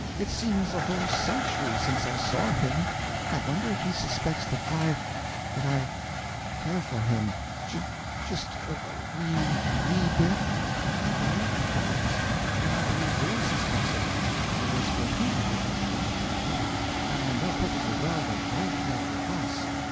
It seems a whole century since I saw him. I wonder if he suspects that I that I care for him j just a wee, wee bit? I believe he does. And I believe Will suspects that Annie cares for him a little, that I do. And I know perfectly well that they care for us.